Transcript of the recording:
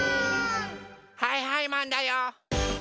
はいはいマンだよ！